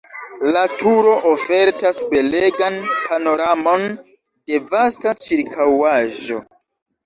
La turo ofertas belegan panoramon de vasta ĉirkaŭaĵo.